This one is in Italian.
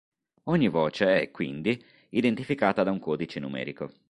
Ogni voce è, quindi, identificata da un codice numerico.